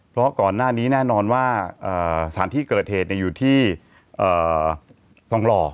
เพราะก่อนหน้านี้แน่นอนว่าสถานที่เกิดเหตุอยู่ที่ทองหล่อ